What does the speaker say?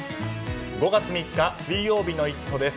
５月３日、水曜日の「イット！」です。